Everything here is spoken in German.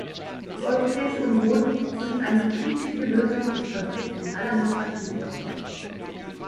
Die Europäische Union wünscht eine friedliche Lösung des Konflikts in allernächster Zukunft.